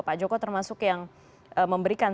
pak joko termasuk yang memberikan